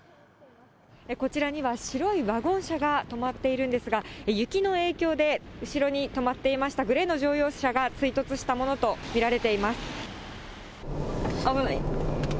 こちらには白いワゴン車が止まっているんですが、雪の影響で、後ろに止まっていましたグレーの乗用車が追突したものと見られています。